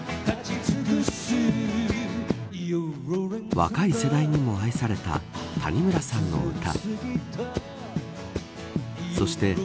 若い世代にも愛された谷村さんの歌。